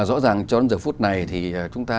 rõ ràng cho đến giờ phút này thì chúng ta